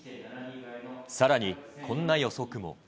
さらにこんな予測も。